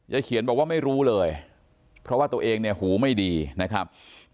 เขียนบอกว่าไม่รู้เลยเพราะว่าตัวเองเนี่ยหูไม่ดีนะครับ